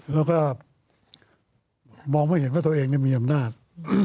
แล้วก็มองไม่เห็นว่าตัวเองมีอำนาจ